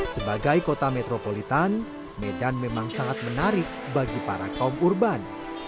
sebagai kota metropolitan medan memang sangat menarik bagi para kaum urban